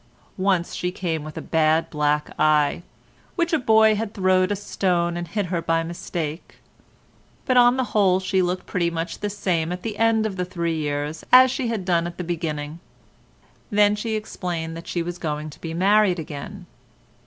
Once she came with a bad black eye, "which a boy had throwed a stone and hit her by mistake"; but on the whole she looked pretty much the same at the end of the three years as she had done at the beginning. Then she explained that she was going to be married again.